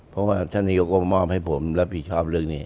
เพราะว่าท่านนี้เขาก็มอบให้ผมรับผิดชอบเรื่องนี้